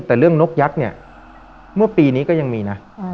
แต่เรื่องนกยักษ์เนี่ยเมื่อปีนี้ก็ยังมีนะ